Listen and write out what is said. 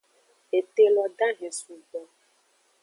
Ete lo dahen sugbo.